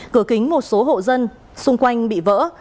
cửa kính một số hộ dân xung quanh bị vỡ